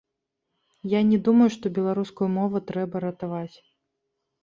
Я не думаю, што беларускую мову трэба ратаваць.